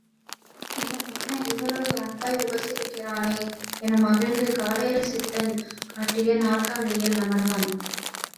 இவன் என்ன இவ்வளவு அன்பாய் உபசரிக்கின்றனனே என மகிழ்ந்து கடோர சித்தன் காட்டிய நாற்காலியில் அமர்ந்தனன்.